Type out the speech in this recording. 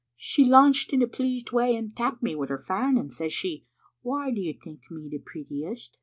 She lauched in a pleased way and tapped me wi' her fan, and says she, *Why do you think me the prettiest?'